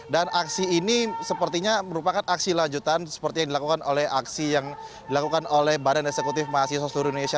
dan aksi ini sepertinya merupakan aksi lanjutan seperti yang dilakukan oleh aksi yang dilakukan oleh badan eksekutif mahasiswa seluruh indonesia